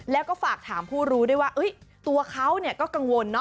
แล้วก็ฝากถามผู้รู้ด้วยว่าตัวเขาก็กังวลเนาะ